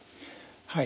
はい。